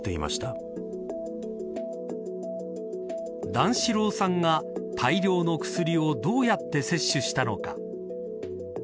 段四郎さんが、大量の薬をどうやって摂取したのか。